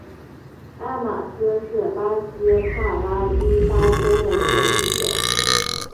埃马斯是巴西帕拉伊巴州的一个市镇。